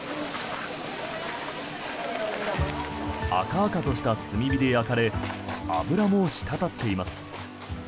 赤々とした炭火で焼かれ脂も滴っています。